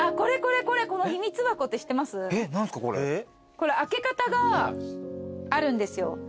これ開け方があるんですよ。